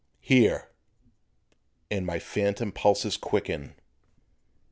Here! and my phantom pulses quicken!